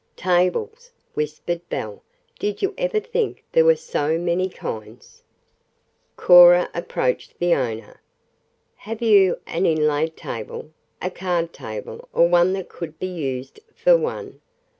"Tables!" whispered Belle. "Did you ever think there were so many kinds?" Cora approached the owner. "Have you an inlaid table a card table or one that could be used for one?